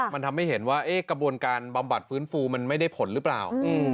มันทำให้เห็นว่ากระบวนการบำบัดฟื้นฟูมันไม่ได้ผลหรือเปล่า